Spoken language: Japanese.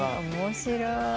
面白い。